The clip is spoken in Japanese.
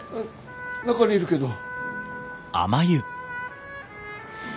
中にいるけど。